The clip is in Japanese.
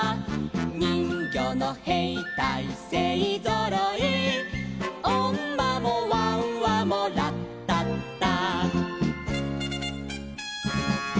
「にんぎょうのへいたいせいぞろい」「おんまもわんわもラッタッタ」